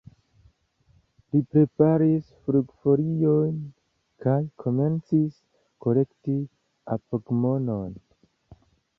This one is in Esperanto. Li preparis flugfolion kaj komencis kolekti apogmonon.